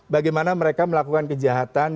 bagaimana mereka melakukan kejahatan